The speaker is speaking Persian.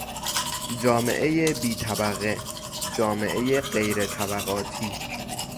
جامعهی بی طبقه، جامعهی غیرطبقاتی